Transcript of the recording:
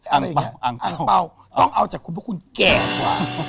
อังเปล่าต้องเอาจากคุณเพราะคุณแก่กว่า